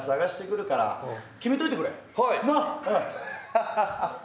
ハハハハ！